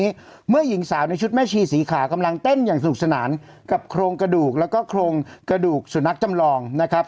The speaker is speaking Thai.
วันนี้เมื่อหญิงสาวในชุดแม่ชีสีขากำลังเต้นอย่างสนุกสนานกับโครงกระดูกแล้วก็โครงกระดูกสุนัขจำลองนะครับ